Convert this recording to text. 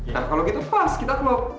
nah kalau gitu pas kita mau